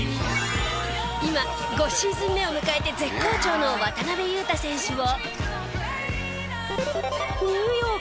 今５シーズン目を迎えて絶好調の渡邊雄太選手を。